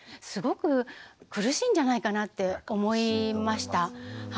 すごく苦しいんじゃないかなって思いました。